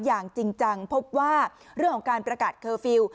อย่างจริงจังพบว่าเรื่องของการประกาศเคอร์ฟิลล์